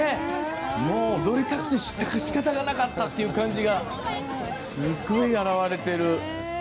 踊りたくてしかたがなかったっていう感じがすごい表れてる。